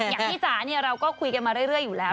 อย่างพี่จ๋าเราก็คุยกันมาเรื่อยอยู่แล้ว